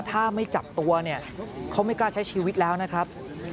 ถ้าไม่จับตัวเนี่ยเขาไม่กล้าใช้ชีวิตแล้วนะครับ